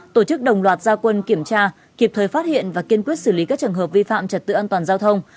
tổ chức đồng loạt gia quân kiểm tra kịp thời phát hiện và kiên quyết xử lý các trường hợp vi phạm trật tự an toàn giao thông